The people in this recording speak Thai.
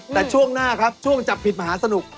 แต่ช่วงหน้าครับช่วงจับผิดมหาสนุก